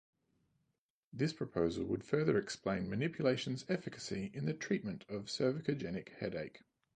This proposal would further explain manipulation's efficacy in the treatment of cervicogenic headache.